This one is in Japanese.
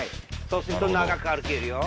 そうすると長く歩けるよ。